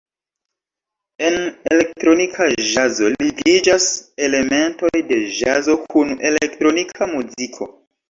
En elektronika ĵazo ligiĝas elementoj de ĵazo kun elektronika muziko.